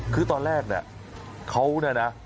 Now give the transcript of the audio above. คือตอนแรกเนี่ยเขาเนี่ยนะ